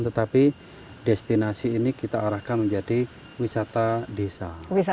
tetapi destinasi ini kita arahkan menjadi wisata desa